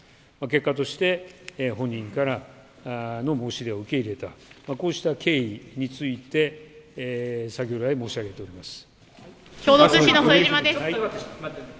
結果として、本人からの申し出を受け入れた、こうした経緯について、先ほど来、申しあげております。